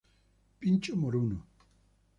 Pincho moruno